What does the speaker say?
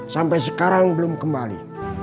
sampai sekarang belum kembali